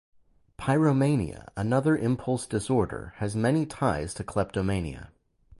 Pyromania, another impulse disorder, has many ties to kleptomania.